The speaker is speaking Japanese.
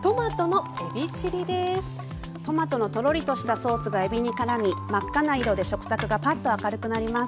トマトのトロリとしたソースがえびにからみ真っ赤な色で食卓がパッと明るくなります。